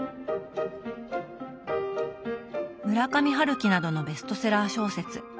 村上春樹などのベストセラー小説。